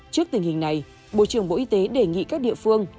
trước tình hình này bộ trưởng bộ y tế đề nghị các địa phương